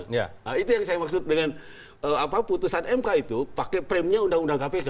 nah itu yang saya maksud dengan putusan mk itu pakai premnya undang undang kpk